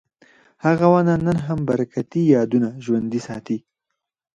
هغه ونه نن هم برکتي یادونه ژوندي ساتي.